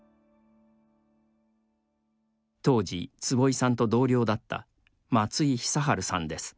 当時、坪井さんと同僚だった松井久治さんです。